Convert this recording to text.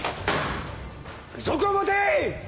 具足を持て！